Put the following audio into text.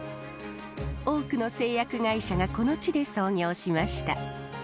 多くの製薬会社がこの地で創業しました。